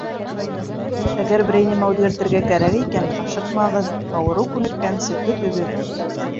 Әгәр берәй нәмә үҙгәртергә кәрәк икән, ашыҡмағыҙ, ауырыу күнеккәнсе көтөгөҙ.